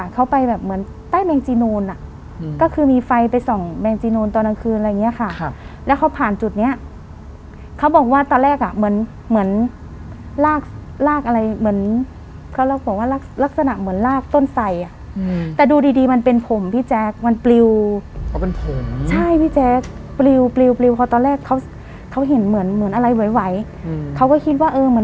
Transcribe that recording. เขาไปแบบเหมือนใต้แมงจีนูนอ่ะก็คือมีไฟไปส่องแมงจีนูนตอนกลางคืนอะไรอย่างเงี้ยค่ะครับแล้วเขาผ่านจุดเนี้ยเขาบอกว่าตอนแรกอ่ะเหมือนเหมือนลากลากอะไรเหมือนเขาแล้วบอกว่าลักษณะเหมือนลากต้นไสอ่ะแต่ดูดีดีมันเป็นผมพี่แจ๊คมันปลิวอ๋อเป็นผมใช่พี่แจ๊คปลิวปลิวเขาตอนแรกเขาเขาเห็นเหมือนเหมือนอะไรไหวเขาก็คิดว่าเออเหมือน